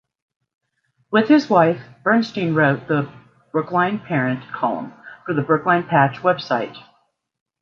With his wife, Burstein wrote the "Brookline Parent" column for the Brookline Patch website.